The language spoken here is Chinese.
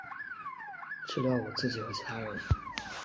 治疗我自己和其他人